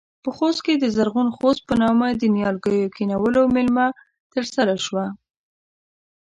په خوست کې د زرغون خوست په نامه د نيالګيو کښېنولو مېلمه ترسره شوه.